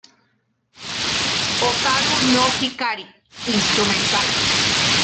Hotaru no Hikari: Instrumental